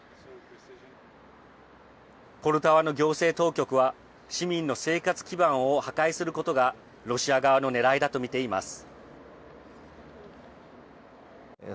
ポルタワの行政当局は市民の生活基盤を破壊することがロシア側の狙いだと見ています。